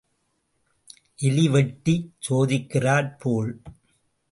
எலி வெட்டிச் சோதிக்கிறாற் போல்.